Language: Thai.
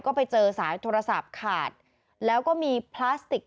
ก็ไปเจอสายโทรศัพท์ขาดแล้วก็มีพลาสติก